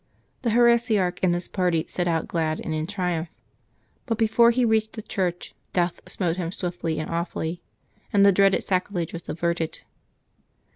The heresiarch and his party set out glad and in triumph. But before he reached the church, death smote him swiftly and awfully, and the dreaded sacrilege was averted.